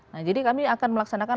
nah jadi kami akan melaksanakan